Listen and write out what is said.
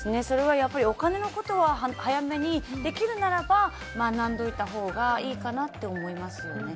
お金のことは早めに、できるならば学んでおいたほうがいいかなと思いますよね。